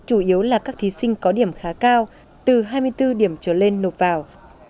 chủ yếu là các thí sinh có điểm khá cao từ hai mươi bốn điểm trở lên nộp vào